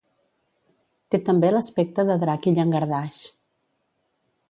Té també l'aspecte de drac i llangardaix.